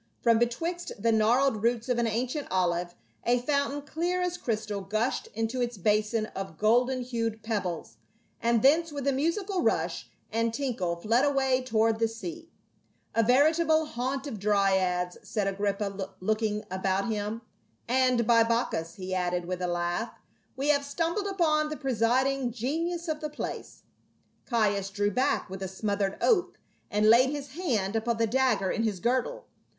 From betwixt the gnarled roots of an ancient olive, a fountain clear as crystal gushed into its basin of golden hued pebbles, and thence with a musical rush and tinkle fled away toward the sea. "A veritable haunt of dryads," said Agrippa, looking about him. "And, by Bacchus," he added with a laugh, " we have stumbled upon the presiding genius of the place." Caius drew back with a smothered oath and laid his THE SOOTHSA YER. 37 hand upon the dagger in his girdle.